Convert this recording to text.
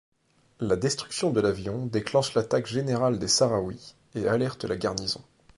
La destruction de l'avion déclenche l'attaque générale des sahraouis et alerte la garnison.